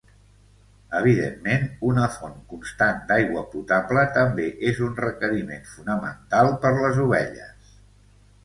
Evidentment, una font constant d'aigua potable també és un requeriment fonamental per les ovelles.